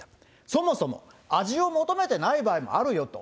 そもそも、味を求めてない場合もあるよと。